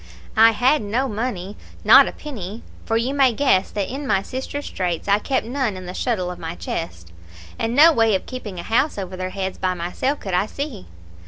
I had no money not a penny for you may guess that in my sister's straits I kept none in the shuttle of my chest, and no way of keeping a house over their heads by myself could I see.